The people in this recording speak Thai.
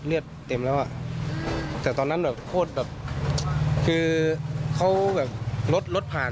เลือดเต็มแล้วอ่ะแต่ตอนนั้นแบบโคตรแบบคือเขาแบบรถรถผ่าน